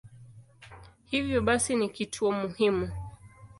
Hivyo basi ni kituo muhimu.